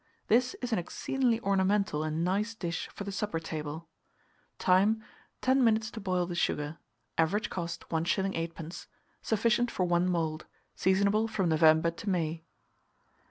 This is an exceedingly ornamental and nice dish for the supper table. Time. 10 minutes to boil the sugar. Average cost, 1s. 8d. Sufficient for 1 mould. Seasonable from November to May.